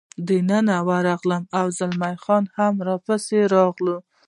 دننه ورغلم، او زلمی خان هم را پسې راغلل.